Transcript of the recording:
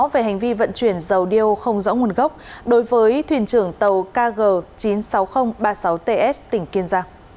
về hành vi vận chuyển dầu điêu không rõ nguồn gốc đối với thuyền trưởng tàu kg chín trăm sáu mươi nghìn ba trăm sáu mươi chín